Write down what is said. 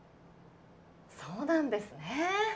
そうなんですね